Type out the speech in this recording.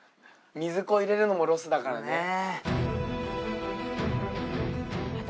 水こう入れるのもロスだからね。